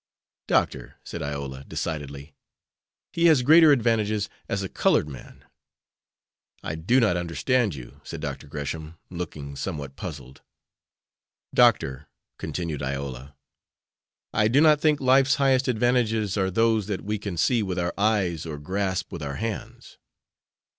"Doctor," said Iola, decidedly, "he has greater advantages as a colored man." "I do not understand you," said Dr. Gresham, looking somewhat puzzled. "Doctor," continued Iola, "I do not think life's highest advantages are those that we can see with our eyes or grasp with our hands.